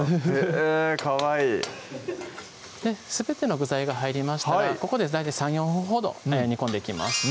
へぇかわいいすべての具材が入りましたらここで大体３４分ほど煮込んでいきます